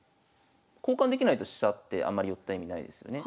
交換できないと飛車ってあんまり寄った意味ないですよね。